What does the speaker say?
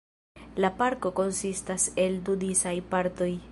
La parko konsistas el du disaj partoj.